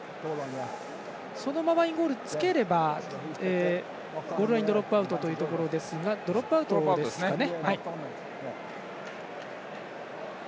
そのままインゴールつければゴールラインドロップアウトというところですがドロップアウトですかね。